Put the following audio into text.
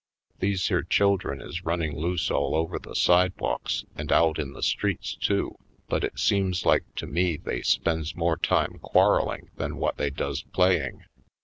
These here children is running loose all over the sidewalks and out in the streets, too, but it seems like to me they spends more time quarreling than what they does playing.